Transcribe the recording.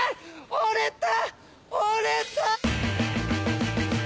折れた！